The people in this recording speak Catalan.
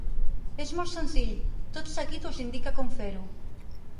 És molt senzill, tot seguit us indique com fer-ho.